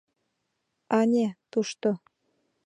Ане, тушто.